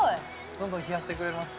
どんどん冷やしてくれます